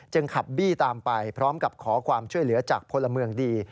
ขับบี้ตามไปพร้อมกับขอความช่วยเหลือจากพลเมืองดี